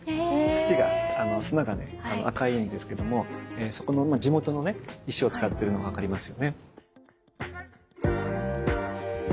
土が砂がね赤いんですけども地元のね石を使ってるのが分かりますよね。